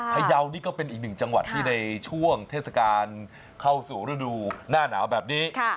พยาวนี่ก็เป็นอีกหนึ่งจังหวัดที่ในช่วงเทศกาลเข้าสู่ฤดูหน้าหนาวแบบนี้